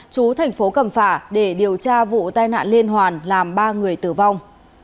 chú thành phố cẩm phả để điều tra vụ tai nạn liên hoàn làm ba người tử vong